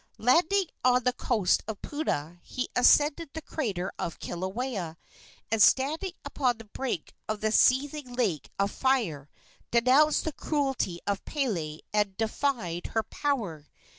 Landing on the coast of Puna, he ascended to the crater of Kilauea, and, standing upon the brink of the seething lake of fire, denounced the cruelty of Pele and defied her power.